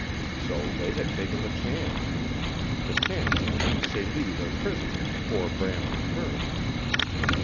So they had taken the chance the chance to make Celie their prisoner before Bram returned.